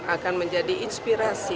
akan menjadi inspirasi